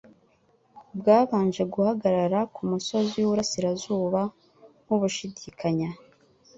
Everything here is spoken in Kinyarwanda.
bwabanje guhagarara ku musozi w'iburasirazuba nk'ubushidikanya